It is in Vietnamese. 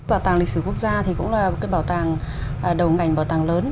bảo tàng lịch sử quốc gia thì cũng là một cái bảo tàng đầu ngành bảo tàng lớn